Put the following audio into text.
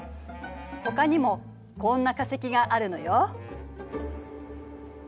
ほかにもこんな化石があるのよ。